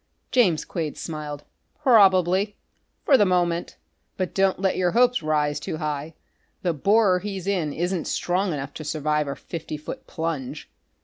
James Quade smiled. "Probably for the moment. But don't let your hopes rise too high. The borer he's in isn't strong enough to survive a fifty foot plunge."